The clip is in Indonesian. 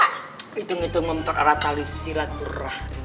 hitung hitung memper aratali silaturah